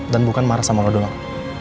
dan bukan marah sama lo doang